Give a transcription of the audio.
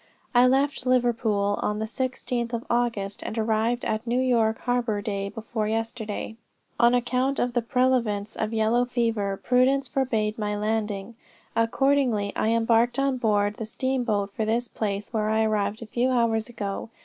"I left Liverpool on the 16th of August, and arrived at New York harbor day before yesterday. On account of the prevalence of yellow fever, prudence forbade my landing. Accordingly I embarked on board the steamboat for this place, where I arrived a few hours ago.